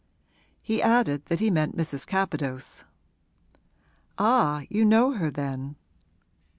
He added that he meant Mrs. Capadose. 'Ah, you know her then?'